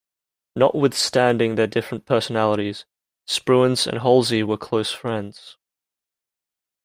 Notwithstanding their different personalities, Spruance and Halsey were close friends.